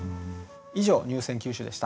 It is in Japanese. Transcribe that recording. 以上入選九首でした。